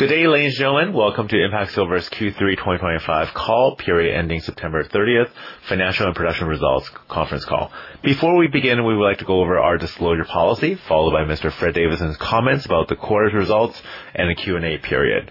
Good day, ladies and gentlemen. Welcome to IMPACT Silver's Q3 2025 call, ending September 30th, Financial and Production Results Conference Call. Before we begin, we would like to go over our disclosure policy, followed by Mr. Fred Davidson's comments about the quarter's results and the Q&A period.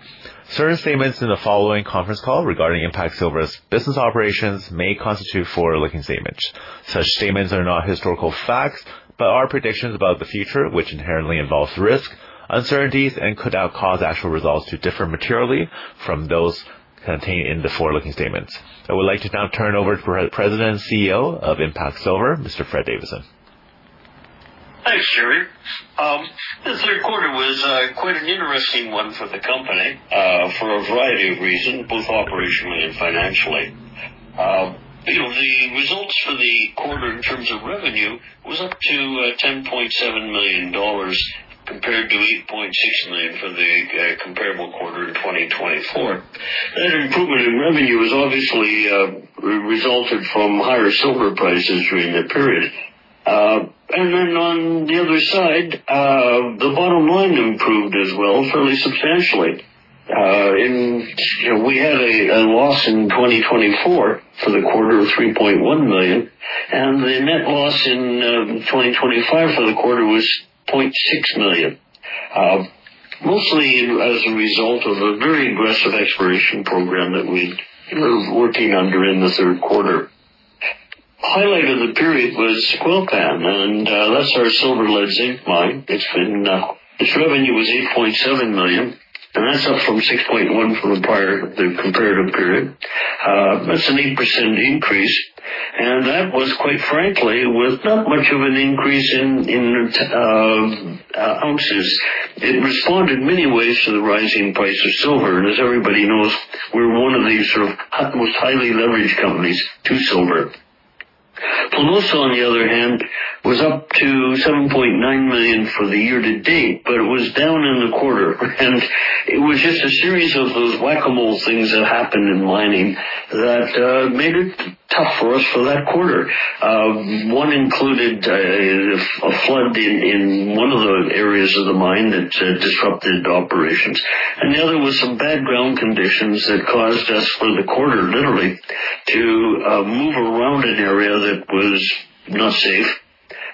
Certain statements in the following conference call regarding IMPACT Silver's business operations may constitute forward-looking statements. Such statements are not historical facts but are predictions about the future, which inherently involves risk, uncertainties, and could cause actual results to differ materially from those contained in the forward-looking statements. I would like to now turn over to President and CEO of IMPACT Silver, Mr. Fred Davidson. Thanks, Jerry. This quarter was quite an interesting one for the company, for a variety of reasons, both operationally and financially. You know, the results for the quarter in terms of revenue was up to $10.7 million compared to $8.6 million for the comparable quarter in 2024. That improvement in revenue has obviously resulted from higher silver prices during that period. And then on the other side, the bottom line improved as well, fairly substantially. You know, we had a loss in 2024 for the quarter of $3.1 million, and the net loss in 2025 for the quarter was $0.6 million, mostly as a result of a very aggressive exploration program that we were working on during the third quarter. Highlight of the period was Zacualpan, and that's our silver-lead-zinc mine. It's been, its revenue was $8.7 million, and that's up from $6.1 million from the prior, the comparative period. That's an 8% increase, and that was, quite frankly, with not much of an increase in ounces. It responded many ways to the rising price of silver, and as everybody knows, we're one of the sort of most highly leveraged companies to silver. that was not safe,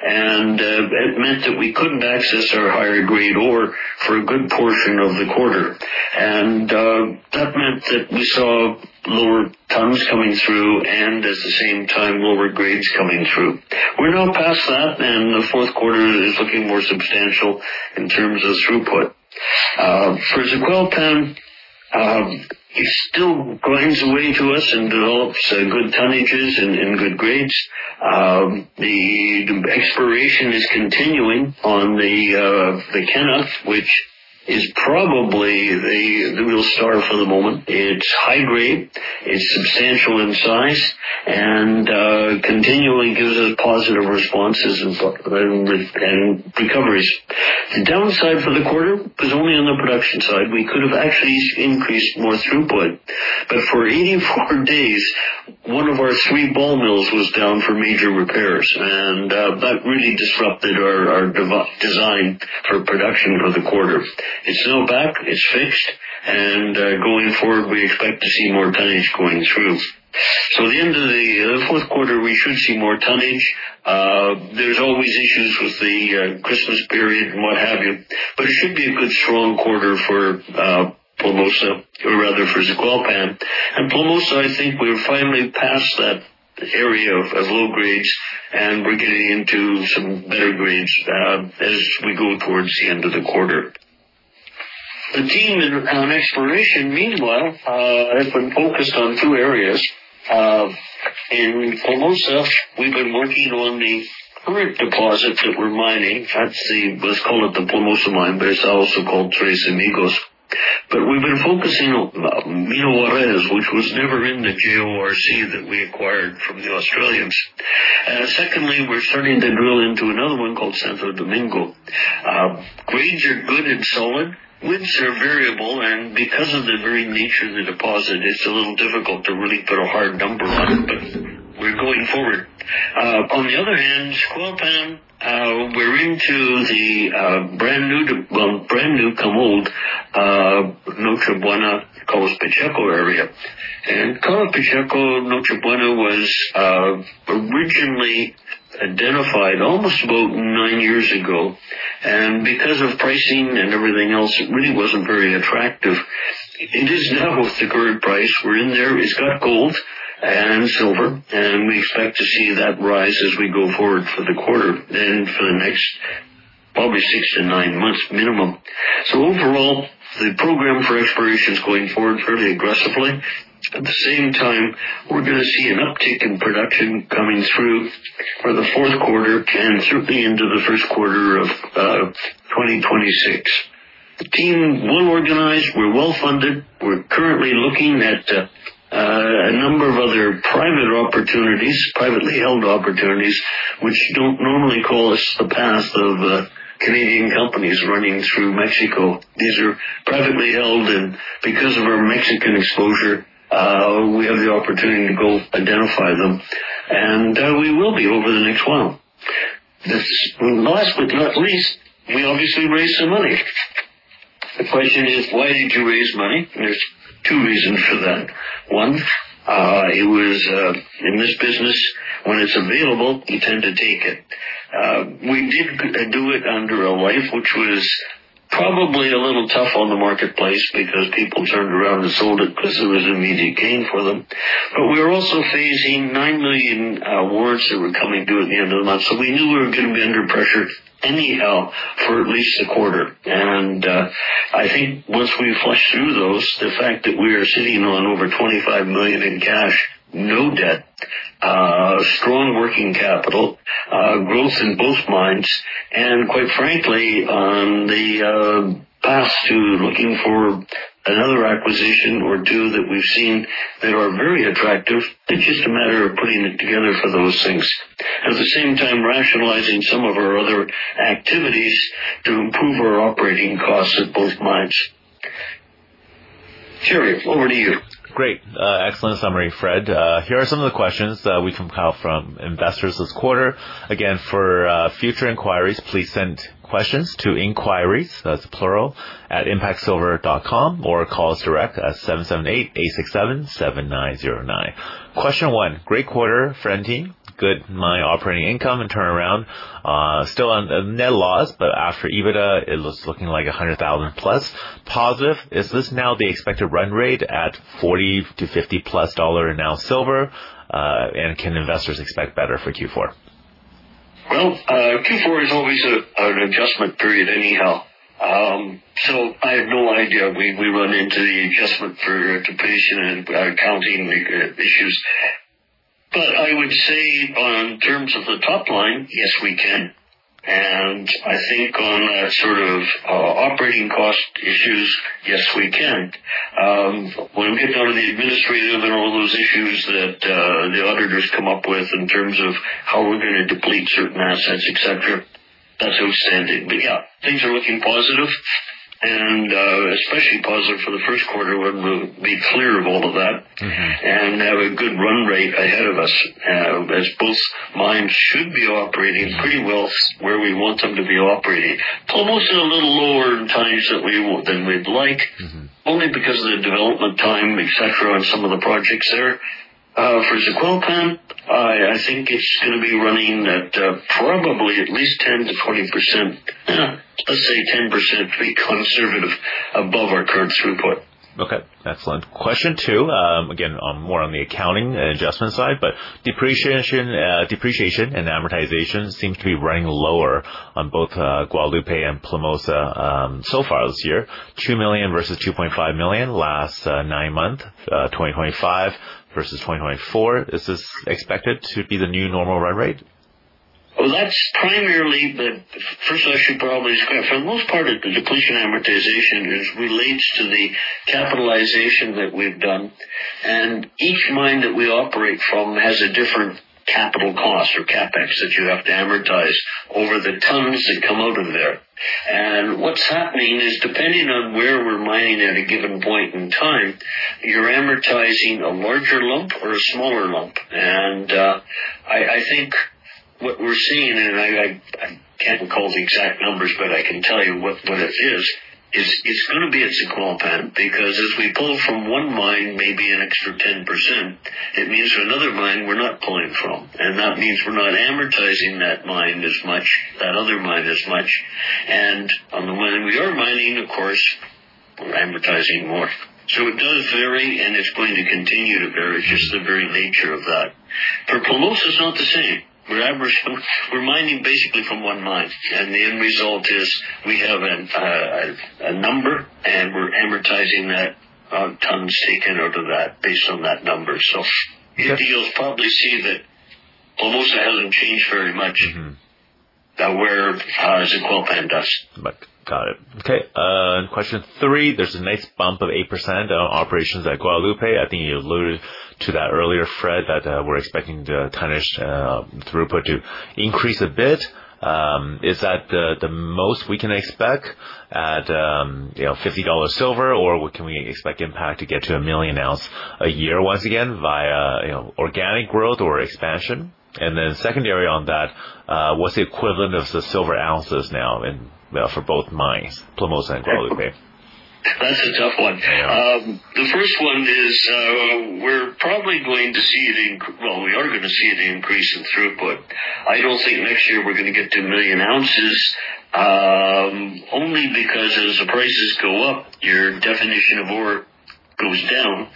and it meant that we couldn't access our higher grade ore for a good portion of the quarter. That meant that we saw lower tons coming through and at the same time lower grades coming through. We're now past that, and the fourth quarter is looking more substantial in terms of throughput. For the Zacualpan, it still grinds away to us and develops good tonnages and good grades. The exploration is continuing on the Knop, which is probably the real star for the moment. It's high grade, it's substantial in size, and continually gives us positive responses and recoveries. The downside for the quarter was only on the production side. We could have actually increased more throughput, but for 84 days, one of our three ball mills was down for major repairs, and that really disrupted our dev design for production for the quarter. It's now back, it's fixed, and going forward, we expect to see more tonnage going through. So at the end of the fourth quarter, we should see more tonnage. There's always issues with the Christmas period and what have you, but it should be a good, strong quarter for Plomosas or rather for the Zacualpan. And Plomosas, I think we're finally past that area of low grades, and we're getting into some better grades, as we go towards the end of the quarter. The team on exploration, meanwhile, has been focused on two areas. In Plomosas, we've been working on the current deposit that we're mining. That's the, let's call it the Plomosas mine, but it's also called Tres Amigos. But we've been focusing on Mina Reyes, which was never in the JORC that we acquired from the Australians. And secondly, we're starting to drill into another one called Santo Domingo. Grades are good and solid, widths are variable, and because of the very nature of the deposit, it's a little difficult to really put a hard number on it, but we're going forward. On the other hand, Zacualpan, we're into the, brand new, well, brand new, Camald, Noche Buena Carlos Pacheco area. And Carlos Pacheco, Noche Buena was, originally identified almost about nine years ago, and because of pricing and everything else, it really wasn't very attractive. It is now with the current price. We're in there. It's got gold and silver, and we expect to see that rise as we go forward for the quarter and for the next probably six to nine months minimum. So overall, the program for exploration is going forward fairly aggressively. At the same time, we're going to see an uptick in production coming through for the fourth quarter and certainly into the first quarter of 2026. The team well organized, we're well funded. We're currently looking at a number of other private opportunities, privately held opportunities, which don't normally call us the path of Canadian companies running through Mexico. These are privately held, and because of our Mexican exposure, we have the opportunity to go identify them, and we will be over the next while. That's last but not least, we obviously raised some money. The question is, why did you raise money? There's two reasons for that. One, it was in this business, when it's available, you tend to take it. We did do it under a LIFE, which was probably a little tough on the marketplace because people turned around and sold it because there was immediate gain for them. But we were also raising $9 million warrants that were coming due at the end of the month, so we knew we were going to be under pressure anyhow for at least a quarter. I think once we flush through those, the fact that we are sitting on over $25 million in cash, no debt, strong working capital, growth in both mines, and quite frankly on the path to looking for another acquisition or two that we've seen that are very attractive, it's just a matter of putting it together for those things. At the same time, rationalizing some of our other activities to improve our operating costs at both mines. Jerry, over to you. Great. Excellent summary, Fred. Here are some of the questions we compiled from investors this quarter. Again, for future inquiries, please send questions to inquiries, that's plural, at impactsilver.com or call us direct at 778-867-7909. Question one, great quarter, Fred and team, good mine operating income and turnaround, still on the net loss, but after EBITDA, it looks like 100,000 plus positive. Is this now the expected run rate at $40-$50+ dollar an ounce silver, and can investors expect better for Q4? Q4 is always an adjustment period anyhow. So I have no idea. We run into the adjustment for depletion and accounting issues. But I would say in terms of the top line, yes, we can. And I think on that sort of operating cost issues, yes, we can. When we get down to the administrative and all those issues that the auditors come up with in terms of how we're going to deplete certain assets, etc., that's outstanding. But yeah, things are looking positive, and especially positive for the first quarter, when we'll be clear of all of that. Mm-hmm. Have a good run rate ahead of us, as both mines should be operating pretty well where we want them to be operating. Plomosas is a little lower in tonnage than we'd like. Mm-hmm. Only because of the development time, etc., and some of the projects there. For the Zacualpan, I think it's going to be running at, probably at least 10%-20%, let's say 10%, to be conservative, above our current throughput. Okay. Excellent. Question two, again, more on the accounting adjustment side, but depreciation, depreciation and amortization seems to be running lower on both Guadalupe and Plomosas, so far this year. 2 million versus 2.5 million last nine months, 2025 versus 2024. Is this expected to be the new normal run rate? That's primarily the first question probably is, for the most part, the depletion amortization relates to the capitalization that we've done, and each mine that we operate from has a different capital cost or CapEx that you have to amortize over the tons that come out of there. What's happening is, depending on where we're mining at a given point in time, you're amortizing a larger lump or a smaller lump. I can't recall the exact numbers, but I can tell you what it is: it's going to be at the Zacualpan because as we pull from one mine, maybe an extra 10%, it means another mine we're not pulling from, and that means we're not amortizing that mine as much, that other mine as much. On the mine we are mining, of course, we're amortizing more. So it does vary, and it's going to continue to vary. It's just the very nature of that. For Plomosas, it's not the same. We're amortizing, we're mining basically from one mine, and the end result is we have a number, and we're amortizing that, tons taken out of that based on that number. So you'll probably see that Plomosas hasn't changed very much. Mm-hmm. That's where the Zacualpan does. But got it. Okay. Question three, there's a nice bump of 8% on operations at Guadalupe. I think you alluded to that earlier, Fred, that, we're expecting the tonnage, throughput to increase a bit. Is that the, the most we can expect at, you know, $50 silver, or can we expect IMPACT to get to a million ounce a year once again via, you know, organic growth or expansion? And then secondary on that, what's the equivalent of the silver ounces now in, for both mines, Plomosas and Guadalupe? That's a tough one. Yeah. The first one is, we are going to see the increase in throughput. I don't think next year we're going to get to a million ounces, only because as the prices go up, your definition of ore goes down,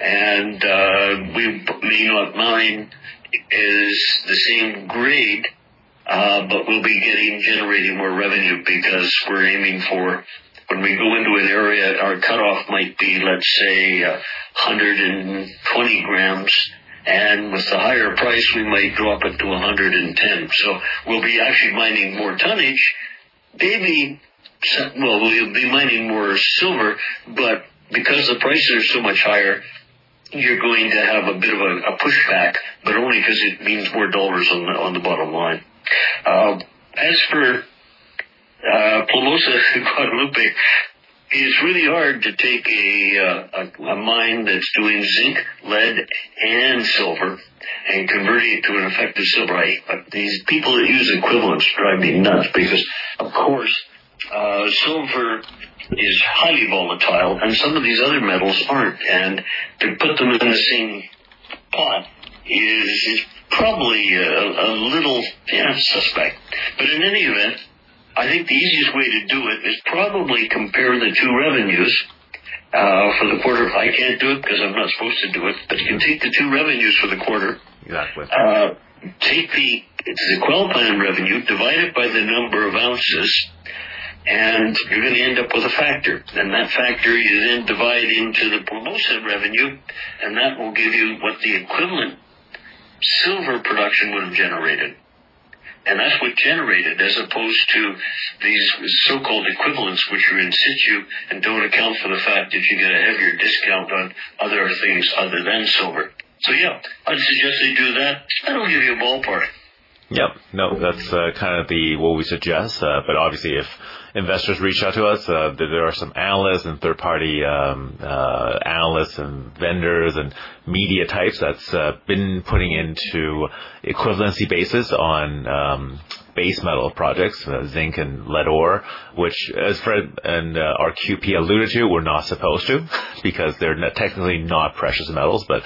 and we may not mine the same grade, but we'll be generating more revenue because we're aiming for, when we go into an area, our cutoff might be, let's say, 120 grams, and with the higher price, we might drop it to 110. So we'll be actually mining more tonnage, we'll be mining more silver, but because the prices are so much higher, you're going to have a bit of a pushback, but only because it means more dollars on the bottom line. As for Plomosas and Guadalupe, it's really hard to take a mine that's doing zinc, lead, and silver and convert it to an effective silver. These people that use equivalents drive me nuts because, of course, silver is highly volatile, and some of these other metals aren't, and to put them in the same pot is probably a little, you know, suspect. But in any event, I think the easiest way to do it is probably compare the two revenues for the quarter. I can't do it because I'm not supposed to do it, but you can take the two revenues for the quarter. Exactly. Take the Zacualpan revenue, divide it by the number of ounces, and you're going to end up with a factor, and that factor you then divide into the Plomosas revenue, and that will give you what the equivalent silver production would have generated. And that's what generated, as opposed to these so-called equivalents, which are in situ and don't account for the fact that you get a heavier discount on other things other than silver. So yeah, I'd suggest they do that. I don't give you a ballpark. Yeah. No, that's kind of what we suggest, but obviously if investors reach out to us, there are some analysts and third-party analysts and vendors and media types that's been putting into equivalency basis on base metal projects, zinc and lead ore, which, as Fred and our QP alluded to, we're not supposed to because they're technically not precious metals, but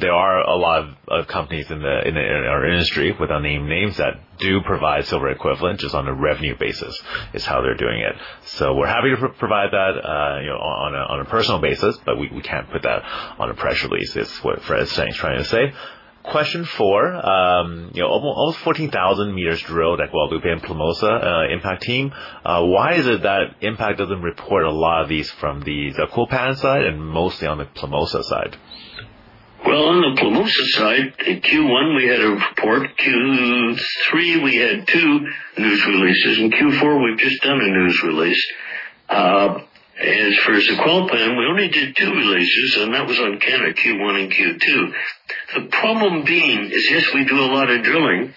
there are a lot of companies in our industry with unnamed names that do provide silver equivalent just on a revenue basis is how they're doing it. So we're happy to provide that, you know, on a personal basis, but we can't put that on a press release. It's what Fred is trying to say. Question four, you know, almost 14,000 meters drilled at Guadalupe and Plomosas, IMPACT team. Why is it that Impact doesn't report a lot of these from the Zacualpan side and mostly on the Plomosas side? On the Plomosas side, Q1 we had a report. Q3 we had two news releases, and Q4 we've just done a news release. As for the Zacualpan, we only did two releases, and that was on Canada Q1 and Q2. The problem being is, yes, we do a lot of drilling,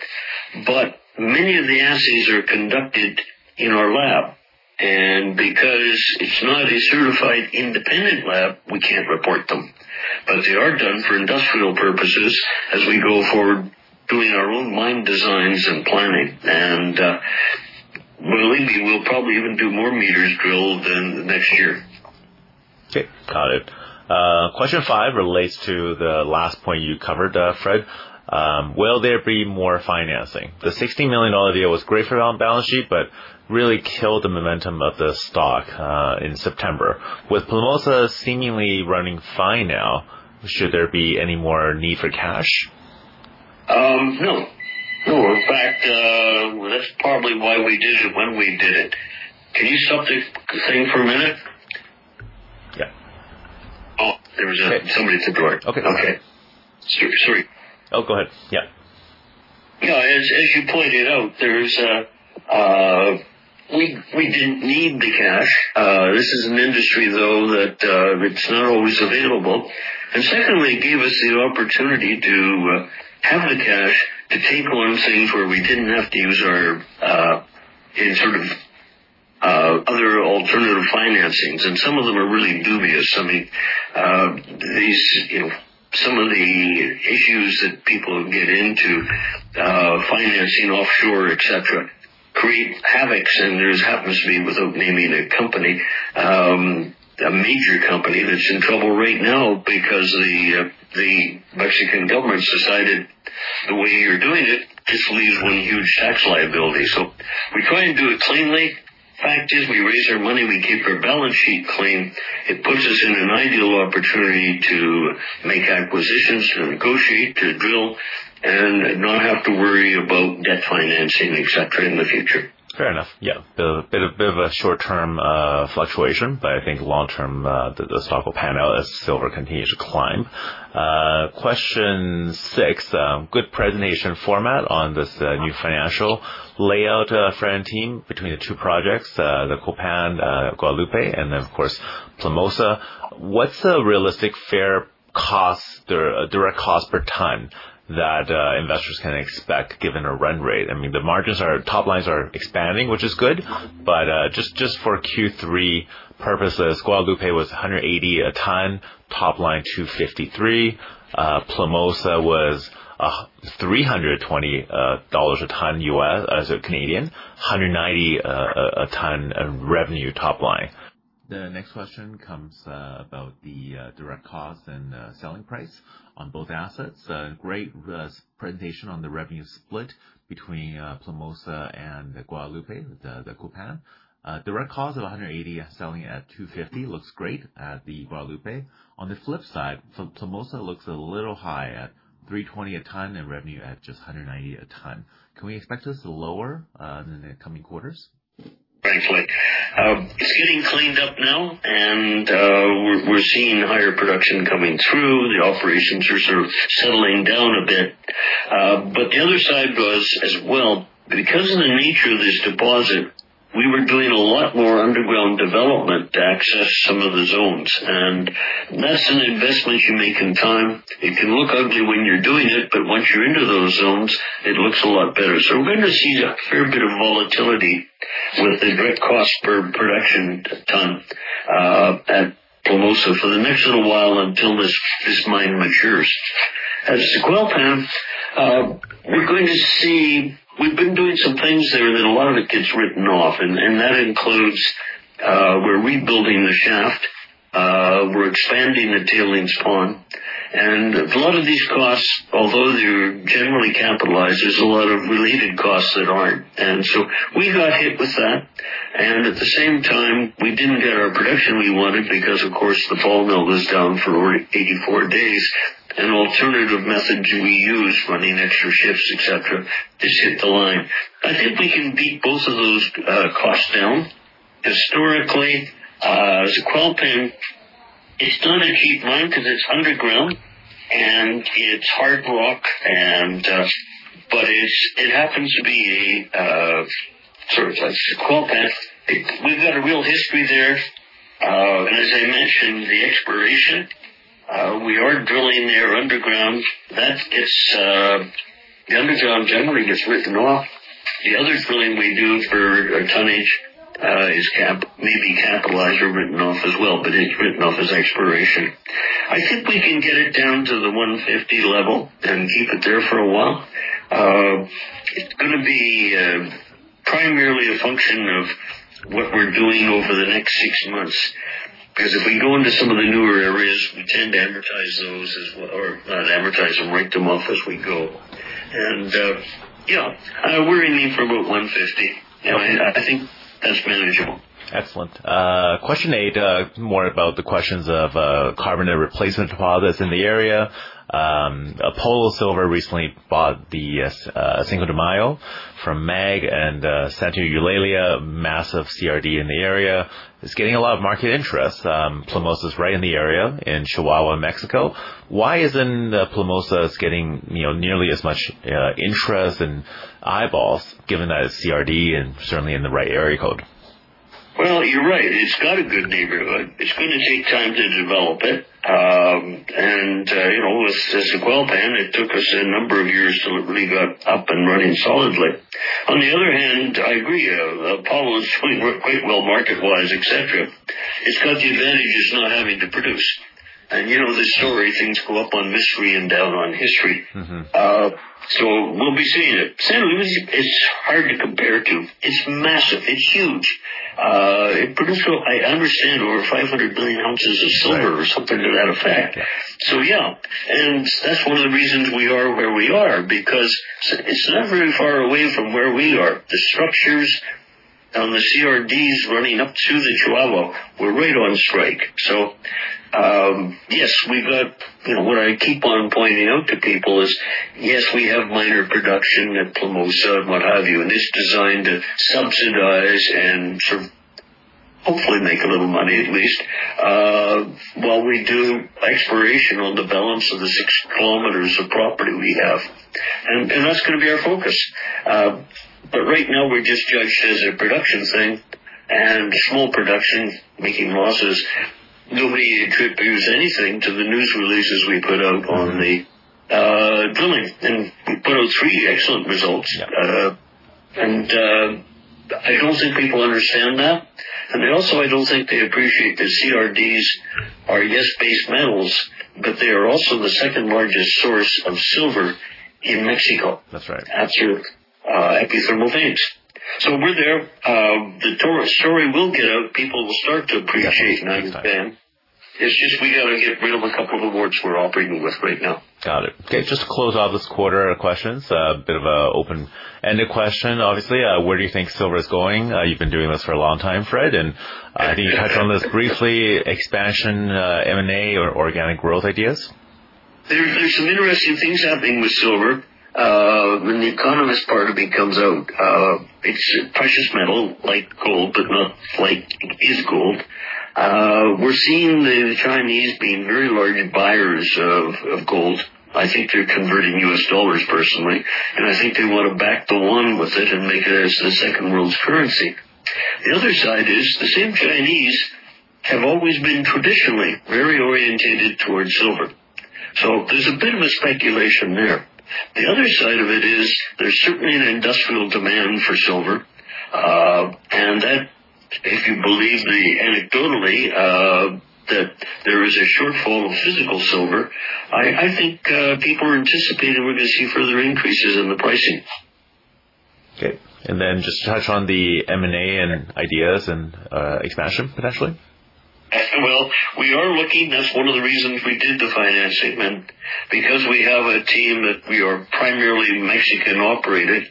but many of the assays are conducted in our lab, and because it's not a certified independent lab, we can't report them. But they are done for industrial purposes as we go forward doing our own mine designs and planning, and, believe me, we'll probably even do more meters drilled next year. Okay. Got it. Question five relates to the last point you covered, Fred. Will there be more financing? The $60 million deal was great for the balance sheet, but really killed the momentum of the stock in September. With Plomosas seemingly running fine now, should there be any more need for cash? No. No. In fact, that's probably why we did it when we did it. Can you stop the thing for a minute? Yeah. Oh, somebody took the word. Okay. Okay. Sorry. Oh, go ahead. Yeah. Yeah. As you pointed out, we didn't need the cash. This is an industry, though, that it's not always available. And secondly, it gave us the opportunity to have the cash to take on things where we didn't have to use our in sort of other alternative financings, and some of them are really dubious. I mean, you know, some of the issues that people get into, financing offshore, etc., create havocs, and there happens to be without naming a company, a major company that's in trouble right now because the Mexican government decided the way you're doing it just leaves one huge tax liability. So we try and do it cleanly. Fact is, we raise our money, we keep our balance sheet clean. It puts us in an ideal opportunity to make acquisitions, to negotiate, to drill, and not have to worry about debt financing, etc., in the future. Fair enough. Yeah. Bit of a short-term fluctuation, but I think long-term, the stock will pan out as silver continues to climb. Question six, good presentation format on this, new financial layout, Fred and team between the two projects, the Zacualpan, Guadalupe, and then, of course, Plomosas. What's a realistic fair cost, or a direct cost per ton that investors can expect given a run rate? I mean, the margins are, top lines are expanding, which is good, but just for Q3 purposes, Guadalupe was 180/ton, top line 253/ton. Plomosas was $320/ton USD, as 190/ton revenue top line. The next question comes about the direct cost and selling price on both assets. Great presentation on the revenue split between Plomosas and Guadalupe, the Zacualpan. Direct cost of $180 selling at $250 looks great at the Guadalupe. On the flip side, Plomosas looks a little high at $320 a ton and revenue at just $190 a ton. Can we expect this lower in the coming quarters? Frankly, it's getting cleaned up now, and we're seeing higher production coming through. The operations are sort of settling down a bit, but the other side was, as well, because of the nature of this deposit, we were doing a lot more underground development to access some of the zones, and that's an investment you make in time. It can look ugly when you're doing it, but once you're into those zones, it looks a lot better. So we're going to see a fair bit of volatility with the direct cost per production ton at Plomosas for the next little while until this mine matures. As for the Zacualpan, we're going to see we've been doing some things there that a lot of it gets written off, and that includes, we're rebuilding the shaft, we're expanding the tailings pond, and a lot of these costs, although they're generally capitalized, there's a lot of related costs that aren't. And so we got hit with that, and at the same time, we didn't get our production we wanted because, of course, the ball mill is down for 84 days, and alternative methods we use, running extra shifts, etc., just hit the line. I think we can beat both of those, costs down. Historically, the Zacualpan, it's not a cheap mine because it's underground and it's hard rock and, but it's, it happens to be a, sort of a Zacualpan. We've got a real history there. And as I mentioned, the exploration we are drilling there underground. The underground generally gets written off. The other drilling we do for a tonnage is cap, maybe capitalized or written off as well, but it's written off as exploration. I think we can get it down to the 150 level and keep it there for a while. It's going to be primarily a function of what we're doing over the next six months because if we go into some of the newer areas, we tend to amortize those as well or not amortize them, write them off as we go. And yeah, we're aiming for about 150. Yeah. I think that's manageable. Excellent. Question eight, more about the questions of carbonate replacement deposits in the area. Apollo Silver recently bought the Cinco de Mayo from MAG and Santa Eulalia, massive CRD in the area. It's getting a lot of market interest. Plomosas is right in the area in Chihuahua, Mexico. Why isn't Plomosas getting, you know, nearly as much interest and eyeballs given that it's CRD and certainly in the right area code? You're right. It's got a good neighborhood. It's going to take time to develop it, and, you know, with the Zacualpan, it took us a number of years till it really got up and running solidly. On the other hand, I agree, Plomosas is doing quite well market-wise, etc. It's got the advantage of not having to produce, and you know this story, things go up on mystery and down on history. Mm-hmm. So we'll be seeing it. San Luis is hard to compare to. It's massive. It's huge. It produced, I understand, over 500 million ounces of silver or something to that effect. Yeah, and that's one of the reasons we are where we are because it's not very far away from where we are. The structures on the CRDs running up to the Chihuahua were right on strike. Yes, we got, you know, what I keep on pointing out to people is, yes, we have minor production at Plomosas and what have you, and it's designed to subsidize and sort of hopefully make a little money at least, while we do exploration on the balance of the six kilometers of property we have. And that's going to be our focus, but right now we're just judged as a production thing and small production making losses. Nobody attributes anything to the news releases we put out on the drilling, and we put out three excellent results. Yeah. And, I don't think people understand that. And they also, I don't think they appreciate that CRDs are, yes, base metals, but they are also the second largest source of silver in Mexico. That's right. After epithermal veins. So we're there. The story will get out. People will start to appreciate 90 band. It's just we got to get rid of a couple of awards we're operating with right now. Got it. Okay. Just to close off this quarter of questions, a bit of an open-ended question, obviously. Where do you think silver is going? You've been doing this for a long time, Fred, and, I think you touched on this briefly. Expansion, M&A or organic growth ideas? There's some interesting things happening with silver. When the economist part of me comes out, it's a precious metal, like gold, but not like it is gold. We're seeing the Chinese being very large buyers of gold. I think they're converting U.S. dollars personally, and I think they want to back the yuan with it and make it as the second world's currency. The other side is the same Chinese have always been traditionally very oriented towards silver. So there's a bit of a speculation there. The other side of it is there's certainly an industrial demand for silver, and that, if you believe me anecdotally, that there is a shortfall of physical silver, I think, people are anticipating we're going to see further increases in the pricing. Okay, and then just to touch on the M&A and ideas and expansion potentially? We are looking. That's one of the reasons we did the financing, and because we have a team that we are primarily Mexican-operated,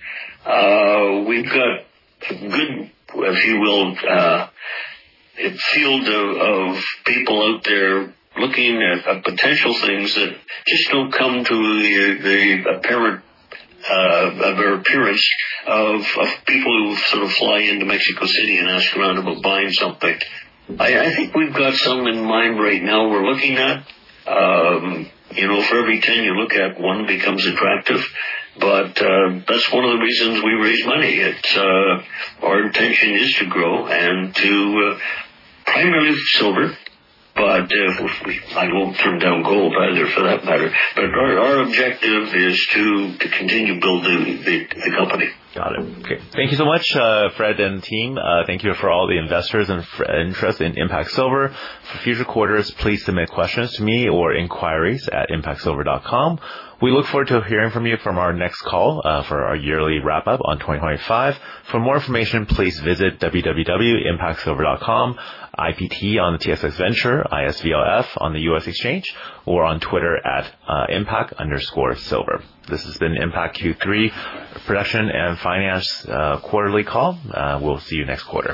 we've got good, if you will, field of people out there looking at potential things that just don't come to the apparent of our appearance of people who sort of fly into Mexico City and ask around about buying something. I think we've got some in mind right now we're looking at. You know, for every 10 you look at, one becomes attractive, but that's one of the reasons we raise money. It's our intention is to grow and to primarily silver, but we I won't turn down gold either for that matter, but our objective is to continue to build the company. Got it. Okay. Thank you so much, Fred and team. Thank you for all the investors and interest in IMPACT Silver. For future quarters, please submit questions to me or inquiries at impactsilver.com. We look forward to hearing from you from our next call, for our yearly wrap-up on 2025. For more information, please visit www.impactsilver.com, IPT on the TSX Venture, ISVLF on the U.S. Exchange, or on Twitter at impact_silver. This has been IMPACT Q3 Production and Finance Quarterly Call. We'll see you next quarter.